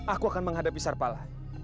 aku akan menghadapi serpalah